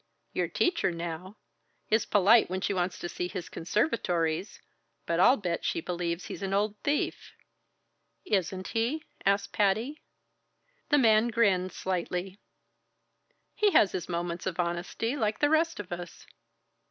Your teacher, now, is polite when she wants to see his conservatories, but I'll bet she believes he's an old thief!" "Isn't he?" asked Patty. The man grinned slightly. "He has his moments of honesty like the rest of us."